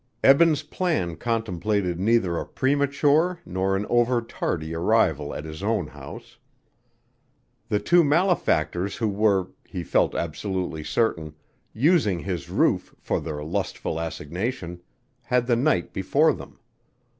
Eben's plan contemplated neither a premature nor an over tardy arrival at his own house. The two malefactors who were, he felt absolutely certain, using his roof for their lustful assignation, had the night before them.